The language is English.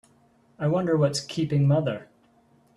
I wonder what's keeping mother?